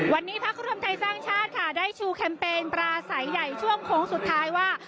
วันนี้พักรวมไทยสร้างชาติค่ะได้ชูแคมเปญปราศัยใหญ่ช่วงโค้งสุดท้ายว่า